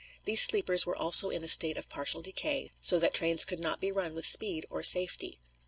These sleepers were also in a state of partial decay, so that trains could not be run with speed or safety.